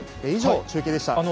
以上、中継でした。